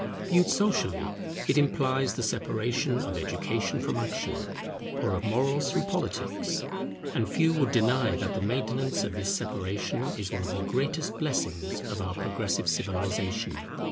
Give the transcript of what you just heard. Viewed socially, it implies the separation of education from action; or of morals from politics; and few would deny that the maintenance of this separation is one of the greatest blessings of our progressive civilization.